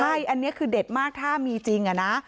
ใช่อันนี้คือเด็ดมากถ้ามีจริงอะนะ